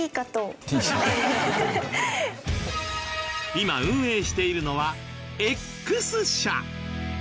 今運営しているのはＸ社。